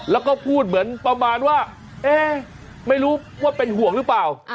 แล้วก็พูดเหมือนประมาณว่าเอ๊ะไม่รู้ว่าเป็นห่วงหรือเปล่า